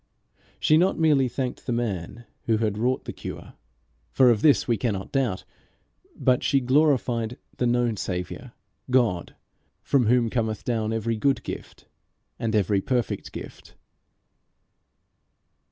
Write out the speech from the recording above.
She not merely thanked the man who had wrought the cure, for of this we cannot doubt; but she glorified the known Saviour, God, from whom cometh down every good gift and every perfect gift.